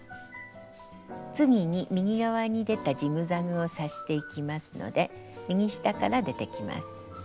次に右側に出たジグザグを刺していきますので右下から出てきます。